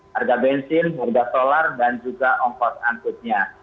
harga bensin harga solar dan juga ongkot anputnya